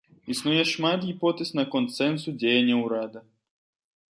Існуе шмат гіпотэз наконт сэнсу дзеянняў урада.